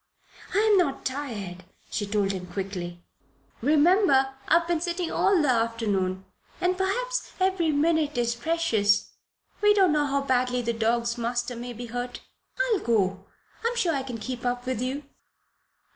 "I am not tired," she told him, quickly. "Remember I've been sitting all the afternoon. And perhaps every minute is precious. We don't know how badly the dog's master may be hurt. I'll go. I'm sure I can keep up with you."